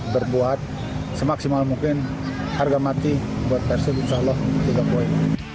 berbuat semaksimal mungkin harga mati buat persib insya allah tiga poin